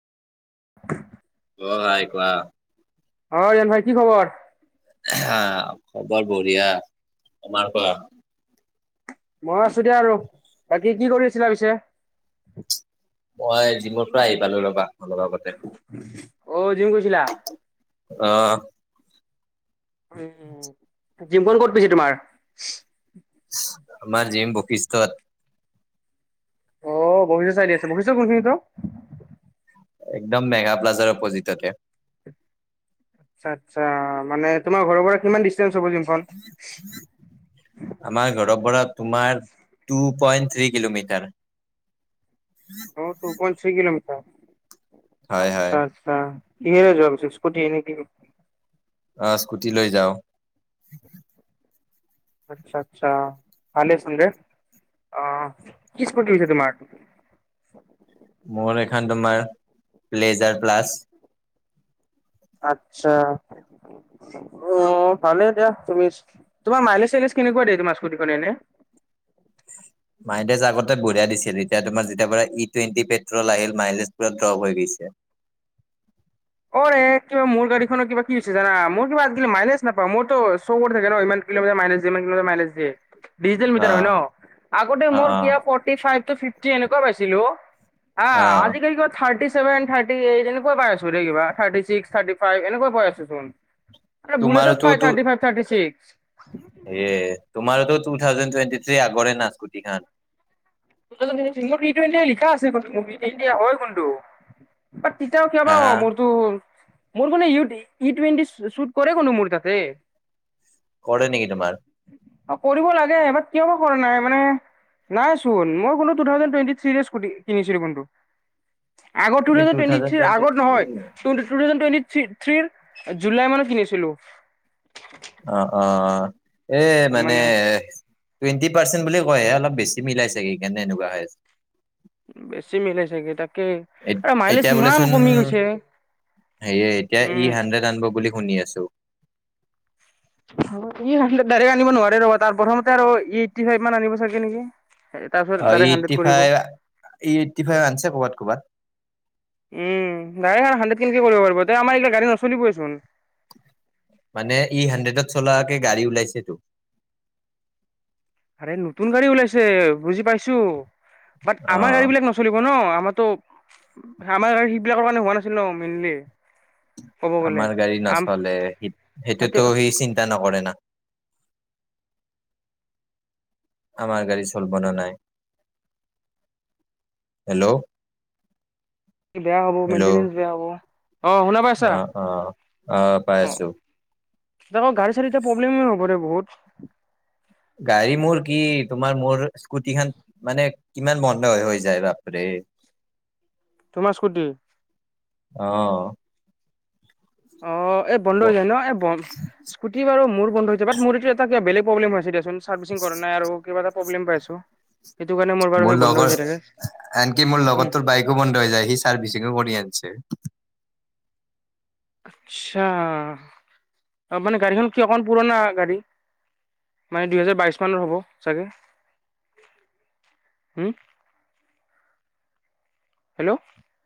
[inaudible] অ' নাই কোৱা। অ' জন ভাই কি খবৰ? হা! খবৰ বঢ়িয়া, আমাৰ কোৱা? মই আছো দে আৰু বাকী কি কৰি আছিলা পিছে? মই জিমৰ পৰা আহিব লৈ ল'বা অলপ আগতে, অ, জিম গৈছিলা? আহ। উ'জিমখন ক'ত পিছে তোমাৰ? আমাৰ জিম বখিষ্টত। বখিষ্ট চাৰিআলিত আছে, বখিষ্টত কোন খিনিত অ? একদম মেগা প্লজাৰ অপ'জিটতে, আচ্ছা' আচ্ছা' মানে তোমাৰ ঘৰৰ পৰা কিমান দি- আমাৰ ঘৰৰ পৰা তোমাৰ তু- পইণ্ট, থ্ৰী কিলোমিটাৰ। অ' টু পইণ্ট থ্ৰী কলোমিটাৰ, হয় হয় আচ্ছা, আচ্ছা। কিহেৰে যোৱা পিছে? স্কুট নে কিৰে? আহ, স্কুটি লৈ যাও। আচ্ছা, আচ্ছা [unintelligible] আহ, কি স্কুটি আছে তোমাৰ? মোৰ এখান তোমাৰ, প্লেজাৰ প্লাছ। আত্ছা! অ' ভালে দিয়া তুমি, তোমাৰ মাইলেজ-চাইলেজ কেনেকুৱা দিয়ে তোমাৰ স্কুটখনে এনে? [inaudible] মাইলেজ আগতে বঢ়িয়া দিছিল, এতিয়া তোমাৰ যেতিয়া পৰা ই টুৱেণ্টি পেট্ৰল আহিল মাইলেজ পুৰা ড্ৰপ হৈ গৈছে। [inaudible] [inaudible] অ'ৰে কিবা মোৰ গাড়ীখনৰ কিবা কি হৈছে জানা? মোৰ কিবা আজিকালি মাইলেজ নাপাওঁ, মোৰতো চ' কৰি থাকে ন ইমান- কিলোমিটাৰ মাইলেজ দিয়ে, ইমান কিলোমিটাৰ মাইলেজ দিয়ে। ডিজেল অ মিটাৰ হয় ন? আগতে অ মৰ অ কিবা ফৰ্টী ফাইভ টু ফিফটি এনেকোৱা পাইছিলোঁ। আ, অ আজি কালি ত' থাৰ্টিছেভেন, থাৰ্টি এইট এনেকুৱা পাই আ- কিবা থাৰ্তি ছিক্স, থাৰ্তিফাইভ এনেকোৱা পাই আছোঁ ছোঁন। বুলেটত, তোমাৰোতো পাই থাৰ্টি ফাইভ, থাৰ্টি ছিক্স। হে তোমাৰোতো টু থাউজেণ্ড টুৱেণ্টি থ্ৰীৰ আগৰে না স্কুটিখান? [unintelligible] লিখা আছে, [unintelligible] হয় কোনটো? বা তিতাও কে হা বা হ হা মোৰ তো- মোৰ মানে ইউটি, ই টুৱেন্টি শুট কৰে কোনো মোৰ তাতে? কৰে, নেকি তোমাৰ? অ', কৰিব লাগে কিয় বা কৰা নাই মানে, নাই। মই বুলো তুথাউজেণ্ড টুৱেন্তি থ্ৰিৰে স্কুতি কিনিছিলো কিন্তু। আগ তুমি two two thousand twenty thousand three টুৱেন্টিত আগত নহয়, তুথাউজেণ্ড টুৱেন্তি থ থ্ৰীৰ জুলাই মানত কিনিছিলো। অ', অ', অ', এ মানে, টুৱেণ্টি পাৰ্চেন বুলি কয়ে অলপ বেছি মিলাই চাগে সেইকাৰণে এনেকুৱা বেছি মিলে চাগে তাক। এতিয়া বোলেচোন, হেয়ে এতিয়া ই উম হান্দ্ৰেড আনব বুলি শুনি আছো। আনিব নোৱাৰে ৰব তাৰ প্ৰথমতে আৰু ই এইট্টি ফাইভ মান আনিব চাগে নেকি। তাৰপিছত অ', ই ডাইৰেক্ট হাণ্ড্ৰেড এইট্টি কৰিব ফাইভ ই এইটটি ফাইভ আনিছে ক'ৰবাত ক'বাত। উম দ হান্দ্ৰেড কেনক কৰিব পাৰিব আমাৰ এইগিলা গাড়ী নচলিবইচোন। মানে ই হাণ্ড্ৰেডত চলাকে গাড়ী ওলাইছেতো। এই নতুন গাড়ী ওলাইছে বুজি পাইছো বাট অ আমাৰ গাড়ী বিলাক নচলিব ন'। আমাৰো আমাৰ সেইবিলাকৰ কাৰণে হোৱা নাছিল ন' মেইনলি। ক'ব গ'লে আমাৰ গাড়ী আম নচলে সেইটোতো সেইটোৱেটো সি চিন্তা নকৰে না। আ [unintelligible] আমাৰ গাড়ী চলব নে নাই। হেল্ল'। বেয়া হ'ব, হেল্ল' মেইনটেনেন্স বেয়া হ'ব অ', অ'। অ পাই অয়া আছো [unintelligible] আকৌ গাড়ী চাড়ী এতিয়া প্ৰব্লেম হ'বৰে বহুত গাড়ী মোৰ কি তোমাৰ মোৰ স্কুটি খন মানে কিমান বন্ধ হৈ যায় বাপৰে। তোমাৰ স্কুটি অ অ', এই বন্ধ হৈ যায় ন', স্কুটি বাৰু মোৰ মোৰ এটো এটা বেলেগ প্ৰবলেম হৈছে দিয়াচোন চাৰ্ভিচিং কৰা নাই আৰু কিবা এটা প্ৰবলেম পাইছো। মোৰ লগৰ আনকি মোৰ উম লগত তোৰ বাইকো বন্ধ হৈ যায় সি চাৰ্ভিচিংও কৰি আনিছে। আচ্ছা মানে গাড়ীখন কি অকণ পুৰণা গাড়ী। মানে দুহেজাৰ বাইশ মানত হ'ব চাগে। হম। হেল্ল'।